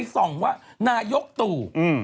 จากธนาคารกรุงเทพฯ